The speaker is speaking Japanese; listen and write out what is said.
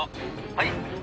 「はい」